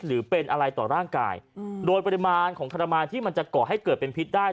หรือเป็นอะไรต่อร่างกายโดยปริมาณของทรมานที่มันจะก่อให้เกิดเป็นพิษได้